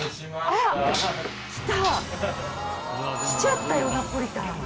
あら来ちゃったよナポリタン。